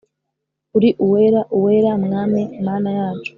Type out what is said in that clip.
Uri Uwera Uwera ,Mwami Mana yacu